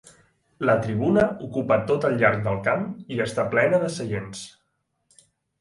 La tribuna ocupa tot el llarg del camp i està plena de seients.